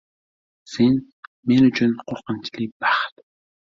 Sen – men uchun qo‘rqinchli baxt.